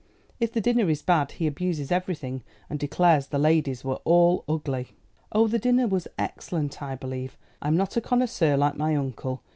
If the dinner is bad he abuses everything, and declares the ladies were all ugly." "Oh, the dinner was excellent, I believe. I'm not a connoisseur, like my uncle.